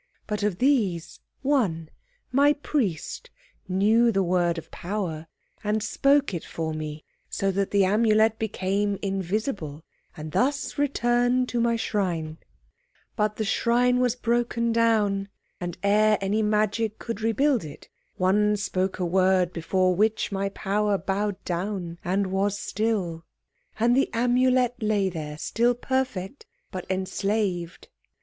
But of these, one, my priest, knew the word of power, and spoke it for me, so that the Amulet became invisible, and thus returned to my shrine, but the shrine was broken down, and ere any magic could rebuild it one spoke a word before which my power bowed down and was still. And the Amulet lay there, still perfect, but enslaved.